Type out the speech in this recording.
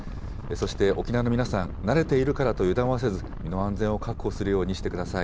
そして、沖縄の皆さん、慣れているからと油断はせず、身の安全を確保するようにしてください。